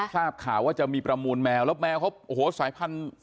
ทราบข่าวว่าจะมีประมูลแมวแล้วแมวเขาโอ้โหสายพันธุ